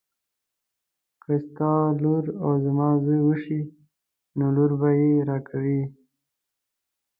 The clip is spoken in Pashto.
که ستا لور او زما زوی وشي نو لور به یې راکوي.